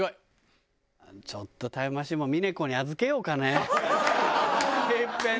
ちょっとタイムマシーンも峰子に預けようかねいっぺんね。